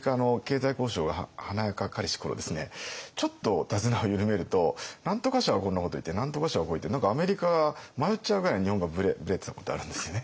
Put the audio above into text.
ちょっと手綱を緩めると何とか省はこんなこと言って何とか省はこう言ってアメリカが迷っちゃうぐらい日本がブレてたことあるんですよね。